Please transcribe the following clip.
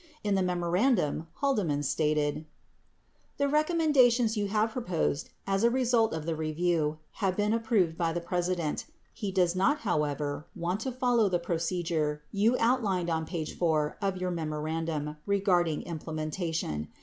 In the memorandum, Haldeman stated : The recommendations you have proposed as a result of the review, have been approved by the President. He does not, however, want to follow the procedure you outlined on page 4 of your memorandum regarding implementation.